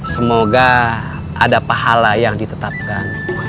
semoga ada pahala yang ditetapkan